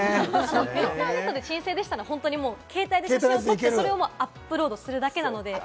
インターネットで申請でしたら携帯で写真を撮ってそれをアップロードするだけなので。